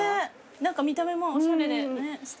何か見た目もおしゃれですてき。